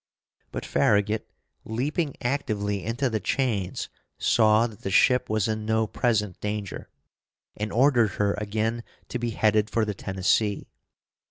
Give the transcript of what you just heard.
But Farragut, leaping actively into the chains, saw that the ship was in no present danger, and ordered her again to be headed for the Tennessee.